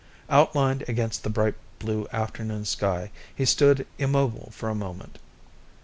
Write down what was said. Outlined against the bright blue afternoon sky, he stood immobile for a moment.